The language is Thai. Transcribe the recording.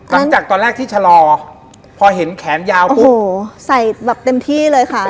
หลังจากตอนแรกที่ชะลอพอเห็นแขนยาวปุ๊บโอ้โหใส่แบบเต็มที่เลยค่ะ